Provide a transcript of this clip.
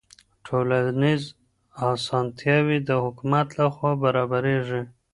ټولنیز اسانتیاوې د حکومت لخوا برابریږي.